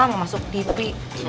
sekarang khawatir pak rt